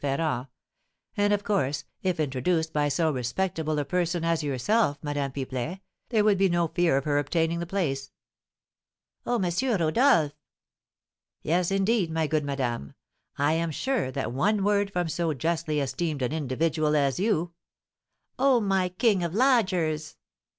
Ferrand; and, of course, if introduced by so respectable a person as yourself, Madame Pipelet, there would be no fear of her obtaining the place." "Oh, M. Rodolph!" "Yes, indeed, my good madame, I am sure that one word from so justly esteemed an individual as you " "Oh, my king of lodgers!"